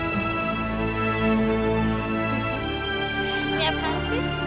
bukannya kamu sudah berubah